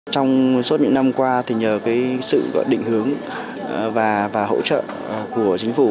trong suốt những năm qua thì nhờ sự định hướng và hỗ trợ của chính phủ